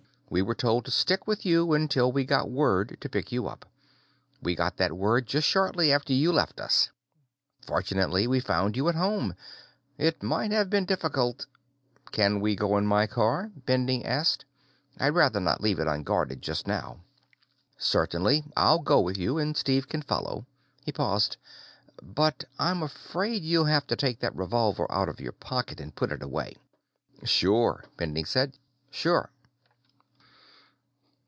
We were told to stick with you until we got word to pick you up. We got that word just shortly after you ... hm m m ... after you left us. Fortunately, we found you at home. It might have been difficult ..." "Can we go in my car?" Bending asked. "I'd rather not leave it unguarded just now." "Certainly. I'll go with you, and Steve can follow." He paused. "But I'm afraid you'll have to take that revolver out of your pocket and put it away." "Sure," Bending said. "Sure."